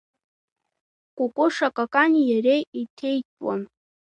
Кәыкәыша Какани иареи еиҭеитәуан.